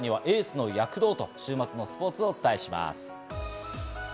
前回王者、さらにはエースの躍動と週末のスポーツをお伝えします。